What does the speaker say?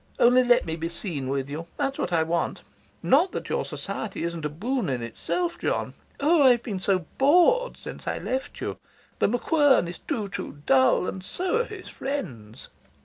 Only let me be seen with you. That's what I want. Not that your society isn't a boon in itself, John. Oh, I've been so bored since I left you. The MacQuern is too, too dull, and so are his friends.